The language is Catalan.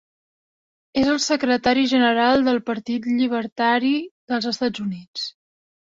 És el Secretari general del Partit Llibertari dels Estats Units.